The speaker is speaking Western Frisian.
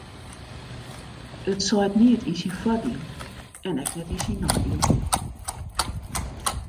It seit neat yn syn foardiel en ek net yn syn neidiel.